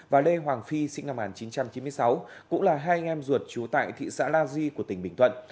và lê hoàng phi sinh năm một nghìn chín trăm chín mươi sáu cũng là hai anh em ruột trú tại thị xã la di của tỉnh bình thuận